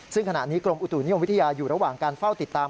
ซึ่งขณะนี้กรมอุตุนิยมวิทยาอยู่ระหว่างการเฝ้าติดตาม